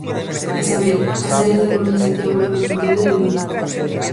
A saber: as áreas da Coruña, Santiago, Lugo, Pontevedra e Vigo.